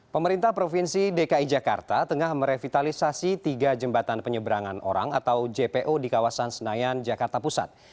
pemerintah provinsi dki jakarta tengah merevitalisasi tiga jembatan penyeberangan orang atau jpo di kawasan senayan jakarta pusat